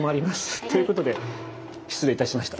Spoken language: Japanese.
ということで失礼いたしました。